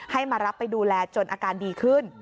มารับไปดูแลจนอาการดีขึ้น